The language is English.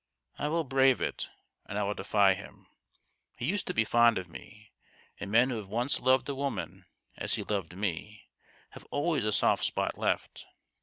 I will brave it, and I will defy him. He used to be fond of me ; and men who have once loved a woman as he loved me have always a soft spot left.